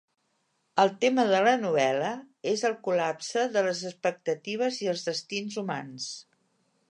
El tema de la novel·la és el col·lapse de les expectatives i els destins humans.